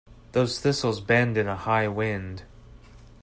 Those thistles bend in a high wind.